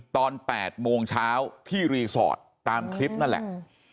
ตอน๘โมงเช้าที่รีสอร์ทตามคลิปนั่นแหละ